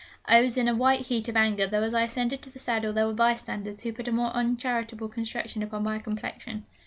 I was in a white heat of anger, though as I ascended to the saddle there were bystanders who put a more uncharitable construction upon my complexion.